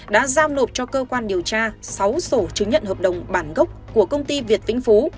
đã giao nộp cho cơ quan điều tra sáu sổ chứng nhận hợp đồng bản gốc của công ty việt vĩnh phú